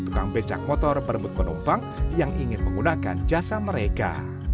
tiga puluh tukang becak motor bermut penumpang yang ingin menggunakan jasa mereka